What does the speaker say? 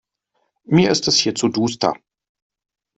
Mir ist es hier zu duster.